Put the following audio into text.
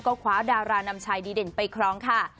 ก็คว้าดารานำชายดีเด่นไปครองค่ะ